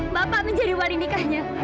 bapak menjadi wali nikahnya